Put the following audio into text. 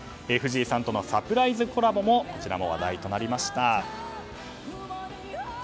藤井さんとのサプライズコラボも話題となりました。